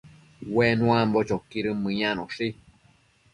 Ue nuambo choquidën mëyanoshi